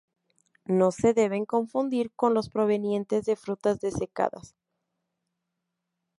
No se deben confundir con los provenientes de frutas desecadas.